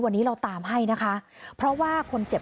วันนี้เราตามให้นะคะเพราะว่าคนเจ็บ